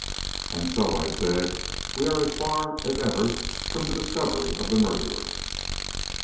"And so," I said, "we are as far as ever from the discovery of the murderer?"